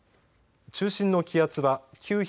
中心の気圧は９９４